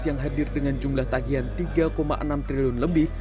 yang hadir dengan jumlah tagihan tiga enam triliun lebih